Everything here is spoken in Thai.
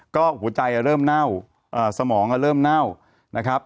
ก็หัวใจเริ่มเน่าสมองเริ่มเน่านะครับ